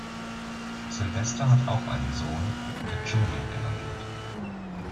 Sylvester hat auch einen Sohn, der Junior genannt wird.